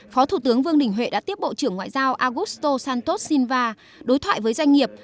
phó thủ tướng vương đình huệ đã tiếp bộ trưởng ngoại giao augusto santos silva đối thoại với doanh nghiệp